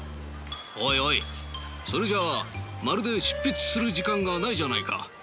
おいおいそれじゃあまるで執筆する時間がないじゃないか。